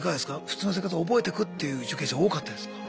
普通の生活を覚えてくっていう受刑者多かったですか？